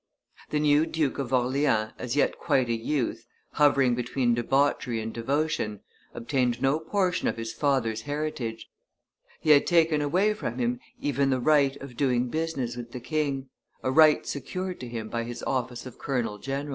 The new Duke of Orleans, as yet quite a youth, hovering between debauchery and devotion, obtained no portion of his father's heritage; he had taken away from him even the right of doing business with the king, a right secured to him by his office of colonel general.